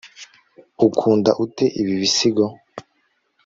Ukunda ute ibi bisigo